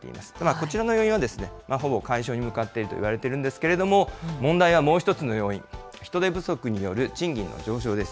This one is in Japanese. こちらの要因はほぼ解消に向かっているといわれているんですけれども、問題はもう１つの要因、人手不足による賃金の上昇です。